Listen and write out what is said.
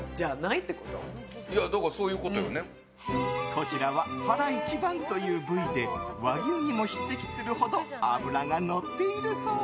こちらは腹一番という部位で和牛にも匹敵するほど脂がのっているそう。